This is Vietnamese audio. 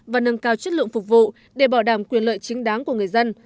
và nâng cao chất lượng phục vụ để bảo đảm quyền lợi chính đáng của người dân